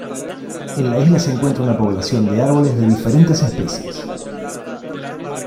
En la isla se encuentra una población de árboles de diferentes especies.